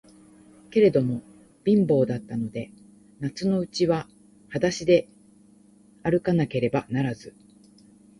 けれども、貧乏だったので、夏のうちははだしであるかなければならず、